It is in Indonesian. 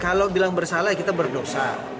kalau bilang bersalah ya kita berdosa